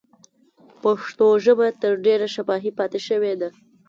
پښتو ژبه تر ډېره شفاهي پاتې شوې ده.